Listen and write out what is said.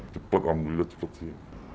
cepat alhamdulillah cepat sih